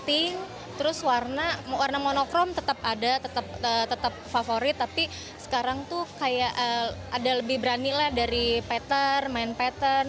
terus warna monokrom tetap ada tetap favorit tapi sekarang tuh kayak ada lebih berani lah dari patter main pattern